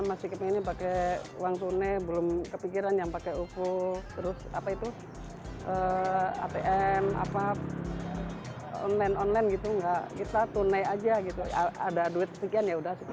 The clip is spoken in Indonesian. ada duit sekian yaudah sekian